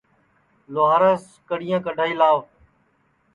لُہاراس کڑِیاں کڈؔائی لاوَ